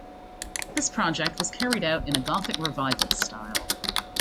This project was carried out in a Gothic revival style.